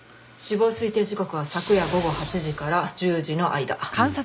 死亡推定時刻は昨夜午後８時から１０時の間。